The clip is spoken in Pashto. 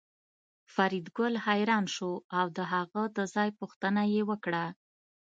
فریدګل حیران شو او د هغه د ځای پوښتنه یې وکړه